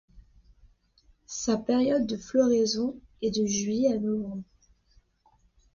Sa période de floraison est de juillet à novembre.